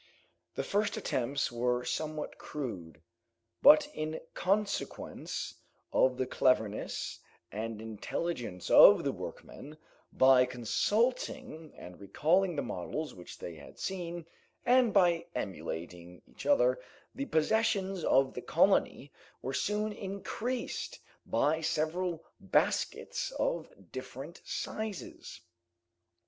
The first attempts were somewhat crude, but in consequence of the cleverness and intelligence of the workmen, by consulting, and recalling the models which they had seen, and by emulating each other, the possessions of the colony were soon increased by several baskets of different sizes.